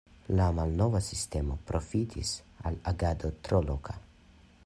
La malnova sistemo profitis al agado tro loka.